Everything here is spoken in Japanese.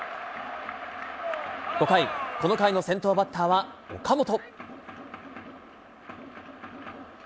５回、この回の先頭バッターは岡本。